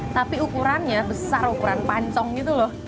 tapi ukurannya besar ukuran pancong gitu loh